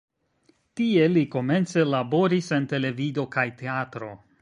Tie li komence laboris en televido kaj teatro.